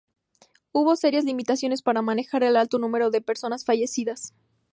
Hubo serias limitaciones para manejar el alto número de personas fallecidas.